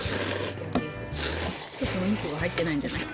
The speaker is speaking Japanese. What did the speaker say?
お肉が入ってないんじゃない？